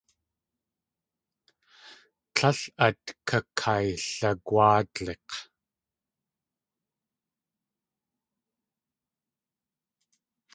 Líl át kakaylagwáadlik̲!